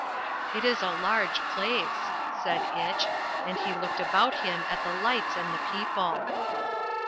"It is a large place," said Itch, and he looked about him at the lights and the people.